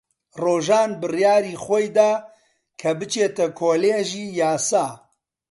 ڕۆژان بڕیاری خۆی دا کە بچێتە کۆلێژی یاسا.